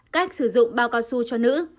cách sử dụng bao cao su cho nữ